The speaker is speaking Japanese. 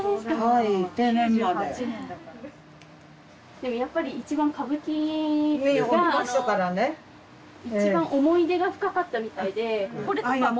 でもやっぱり一番歌舞伎が一番思い出が深かったみたいでこれとかも。